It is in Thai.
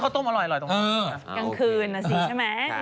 กลางคืนอ่ะสิใช่ไหม